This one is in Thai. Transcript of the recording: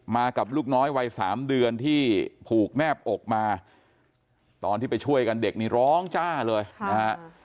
กับลูกน้อยวัย๓เดือนที่ผูกแนบอกมาตอนที่ไปช่วยกันเด็กนี่ร้องจ้าเลยนะฮะ